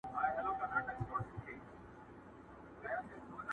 د حرم د ښایستو پر زړه پرهار وو،